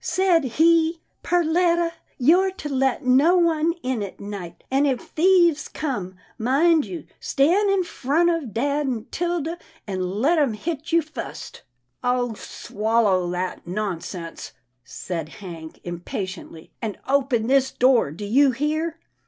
Said he, ' Perletta, you're to let no one in at night, an' if thieves come, mind you stan' in front of dad an' 'Tilda, an' let 'em hit you fust.' " "Oh! swallow that nonsense," said Hank, im patiently, " and open this door. Do you hear?